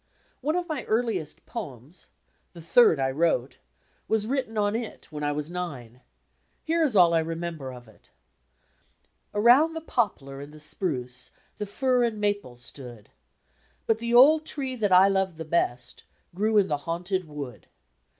One of my earliest "poems" the third I wrote was writ ten on it, when I was nine. Here is all I remember of it: "Around the poplar and the spruce The fir and maple stood; But the old tree that I loved the best Grew in the Haunted Wood.